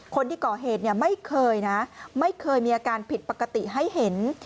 คนที่ก่อเหตุไม่เคยมีอาการผิดปกติให้เห็น